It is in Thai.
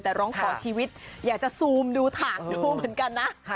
แต่ร้องขอชีวิตอยากจะซูมดูฐานดูเหมือนกันนะ